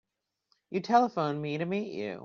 You telephoned me to meet you.